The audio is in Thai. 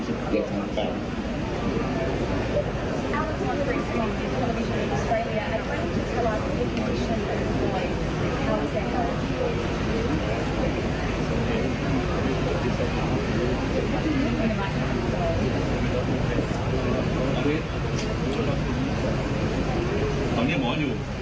จะเป็นเป็นทางที่สุดคืนจะรออยากสามารถทางซื้อ